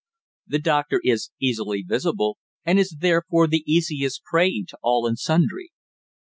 The doctor is easily visible, and is therefore the easiest prey to all and sundry.